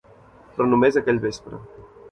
Però només aquell vespre.